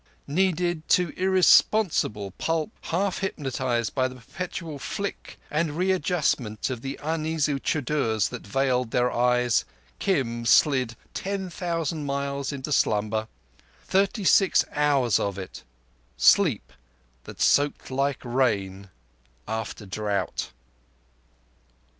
Kneaded to irresponsible pulp, half hypnotized by the perpetual flick and readjustment of the uneasy chudders that veiled their eyes, Kim slid ten thousand miles into slumber—thirty six hours of it—sleep that soaked like rain after drought.